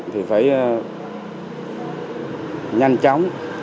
thì phải nhanh chóng